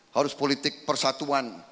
harus politik persatuan